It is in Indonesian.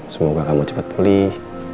semoga kamu cepat pulih